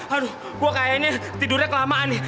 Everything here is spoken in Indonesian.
aduh gue kayaknya tidurnya kelamaan nih